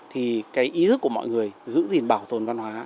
thì cái ý thức của mọi người giữ gìn bảo tồn văn hóa